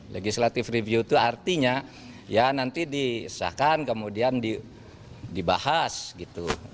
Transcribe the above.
legislative review itu artinya ya nanti disahkan kemudian dibahas gitu